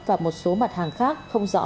và một số mặt hàng khác không rõ